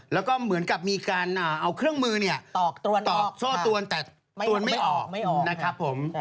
แล้วก็เหมือนกับมีการเอาเครื่องมือเนี่ยตอกช่อตวนแต่ตวนไม่ออกนะครับผม